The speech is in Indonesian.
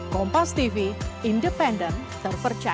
kan nanti juga akan mendapatkan